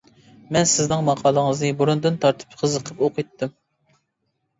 مەن سىزنىڭ ماقالىڭىزنى بۇرۇندىن تارتىپ قىزىقىپ ئوقۇيتتىم.